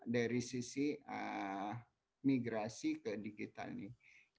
dari sisi migrasi ke digital nih